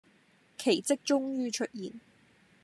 奇蹟終於出現